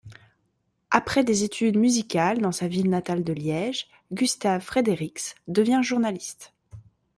Après des études musicales dans sa ville natale de Liège, Gustave Frédérix devient journaliste.